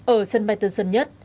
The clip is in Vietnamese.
ở sân bay tân sơn nhất